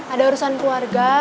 ada urusan keluarga